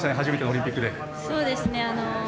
初めてのオリンピックで。